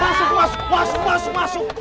masuk masuk masuk masuk masuk